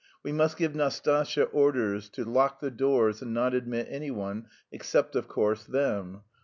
We must give Nastasya orders to lock the doors and not admit anyone, except, of course them....